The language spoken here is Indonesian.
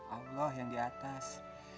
allah yang di atas